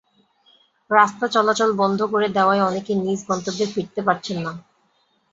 রাস্তা চলাচল বন্ধ করে দেওয়ায় অনেকে নিজ গন্তব্যে ফিরতে পারছেন না।